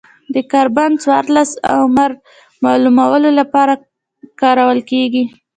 د کاربن څورلس عمر معلومولو لپاره کارول کېږي.